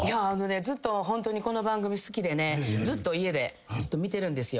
ずっとホントにこの番組好きでずっと家で見てるんですよ。